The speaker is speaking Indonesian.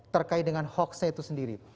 terkait dengan hoaxnya itu sendiri